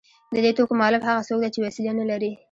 د دې توکو مالک هغه څوک دی چې وسیله نلري